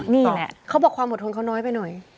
นี่แหละเขาบอกความอดทนเขาน้อยไปหน่อย